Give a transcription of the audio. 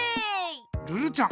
ルルちゃん。